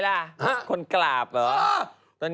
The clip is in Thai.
แล้วมีลูกสาวเลยเป็นตุ๊ดขึ้นทุกวัน